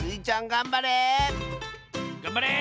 がんばれ！